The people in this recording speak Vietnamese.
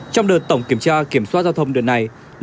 trong đợt tổng kiểm tra kiểm soát giao thông đơn năng